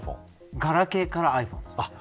ガラケーからずっとｉＰｈｏｎｅです。